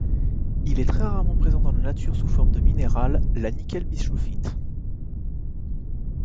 Il est très rarement présent dans la nature sous forme de minéral, la nickelbischofite.